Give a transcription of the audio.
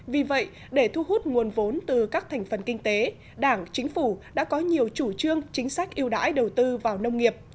vì vậy để thu hút nguồn vốn từ các thành phần kinh tế đảng chính phủ đã có nhiều chủ trương chính sách yêu đãi đầu tư vào nông nghiệp